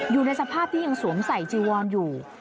อยู่ในสภาพที่ยังสวมใส่จีวอนอยู่